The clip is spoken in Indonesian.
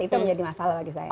itu menjadi masalah bagi saya